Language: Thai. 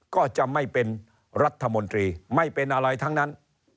ก็จะไม่เป็นรัฐมนตรีไม่เป็นอะไรทั้งนั้น